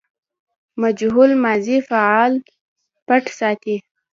مجهول ماضي فاعل پټ ساتي.